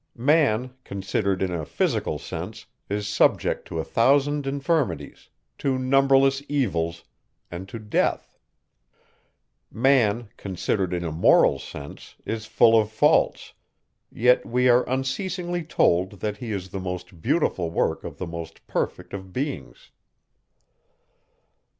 Man, considered in a physical sense, is subject to a thousand infirmities, to numberless evils, and to death. Man, considered in a moral sense, is full of faults; yet we are unceasingly told, that he is the most beautiful work of the most perfect of beings.